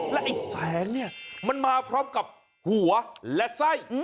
และไอ้แสงเนี่ยมันมาพร้อมกับหัวและไส้